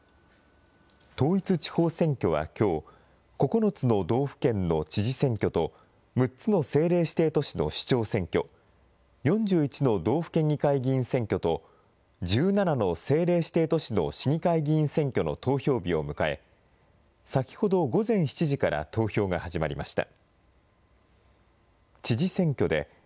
統一地方選挙はきょう、９つの道府県の知事選挙と６つの政令指定都市の市長選挙、４１の道府県議会議員選挙と１７の政令指定都市の市議会議員選挙の投票日を迎え、先ほど午前７時から投票が始まりました。